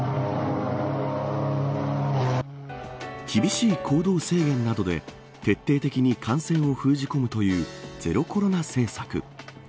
厳しい行動制限などで徹底的に感染を封じ込むというゼロ・コロナ政策。